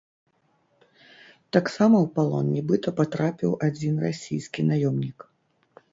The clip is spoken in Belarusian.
Таксама ў палон нібыта патрапіў адзін расійскі наёмнік.